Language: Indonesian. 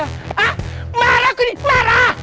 hah marah aku ini marah